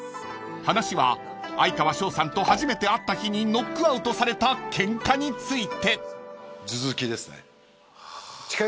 ［話は哀川翔さんと初めて会った日にノックアウトされたケンカについて］